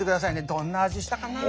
どんな味したかなって。